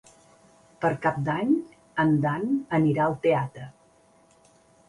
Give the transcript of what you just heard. Per Cap d'Any en Dan anirà al teatre.